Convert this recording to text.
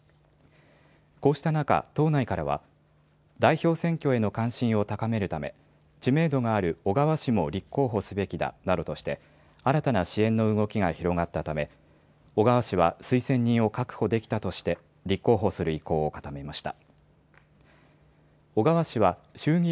こうした中、党内からは、代表選挙への関心を高めるため、知名度がある小川氏も立候補すべきだなどとして、新たな支援の動きが広がったため、小川氏は推薦人を確保できたとして、立候補する意向を固めました。